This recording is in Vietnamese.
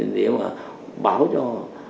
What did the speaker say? để mà báo cho